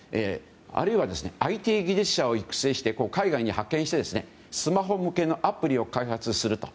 あるいは、ＩＴ技術者を育成して海外に派遣してスマホ向けのアプリを開発すると。